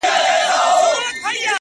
که دا دنیا او که د هغي دنیا حال ته ګورم!